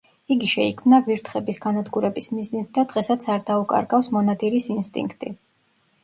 იგი შეიქმნა ვირთხების განადგურების მიზნით და დღესაც არ დაუკარგავს მონადირის ინსტინქტი.